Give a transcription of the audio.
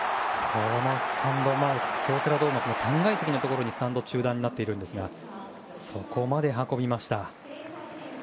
京セラドームの３階席のところ、スタンド中段になっているんですがそこまで運びました。